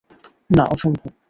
না, অসম্ভব।